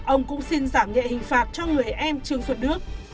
ông cũng xin giảm nhẹ hình phạt cho người em trương xuân đức